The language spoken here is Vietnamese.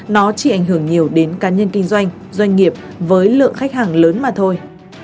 nó chỉ ảnh hưởng nhiều đến cá nhân kinh doanh doanh nghiệp với lượng khách hàng lớn mà thôi